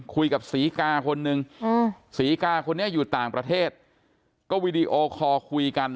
ศรีกาคนนึงศรีกาคนนี้อยู่ต่างประเทศก็วีดีโอคอลคุยกัน